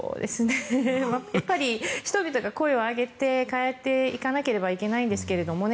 やっぱり人々が声を上げて変えていかなければいけないんですがね